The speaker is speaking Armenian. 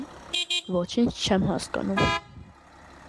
- ոչինչ չեմ հասկանում: